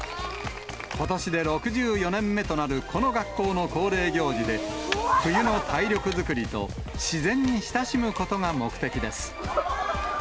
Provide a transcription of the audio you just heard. ことしで６４年目となるこの学校の恒例行事で、冬の体力作りと、自然に親しむことが目的です。